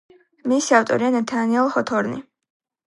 მისი ავტორია ნათანიელ ჰოთორნი.